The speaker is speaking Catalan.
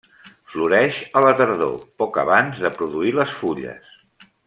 Floreix a la tardor, poc abans de produir les fulles.